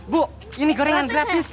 bu ini gorengan gratis